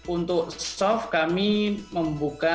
untuk shof kami membuka